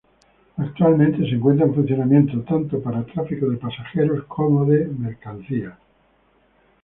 Actualmente se encuentra en funcionamiento, tanto para tráfico de pasajeros como de mercancías.